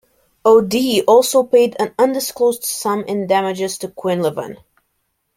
O'Dea also paid an undisclosed sum in damages to Quinlivan.